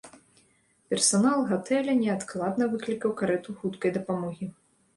Персанал гатэля неадкладна выклікаў карэту хуткай дапамогі.